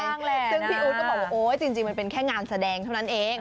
ซึ่งพี่อู๊ดก็บอกว่าโอ๊ยจริงมันเป็นแค่งานแสดงเท่านั้นเอง